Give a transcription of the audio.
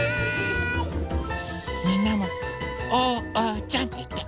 みんなも「おうちゃん」っていって。